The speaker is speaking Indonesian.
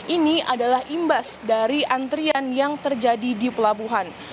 ini adalah imbas dari antrian yang terjadi di pelabuhan